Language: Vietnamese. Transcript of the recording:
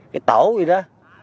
cái tổ gì đó